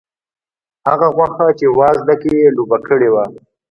هغه غوښه چې په وازده کې یې ډوبه کړې وه.